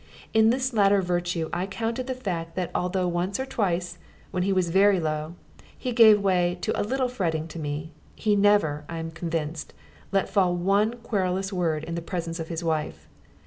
In this latter virtue I counted the fact that although once or twice, when he was very low, he gave way to a little fretting to me, he never, I am convinced, let fall one querulous word in the presence of his wife.